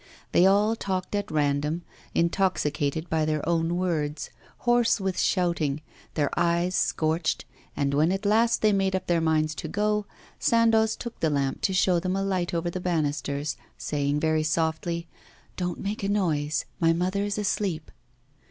They all talked at random, intoxicated by their own words, hoarse with shouting, their eyes scorched, and when at last they made up their minds to go, Sandoz took the lamp to show them a light over the banisters, saying very softly: 'Don't make a noise, my mother is asleep.